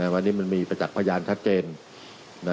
วันนี้มันมีประจักษ์พยานชัดเจน